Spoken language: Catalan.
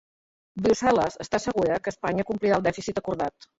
Brussel·les està segura que Espanya complirà el dèficit acordat